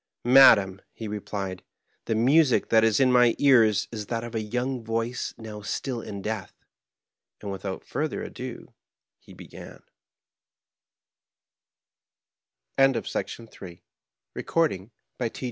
^' Madam," he replied, " the music that is in my ears is that of a young voice now still in death "; and without further ado he began : Digitized by VjOOQIC MAEJORY. By F.